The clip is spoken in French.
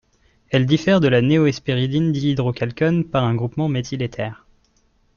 Elle diffère de la néohespéridine dihydrochalcone par un groupement méthyl-éther.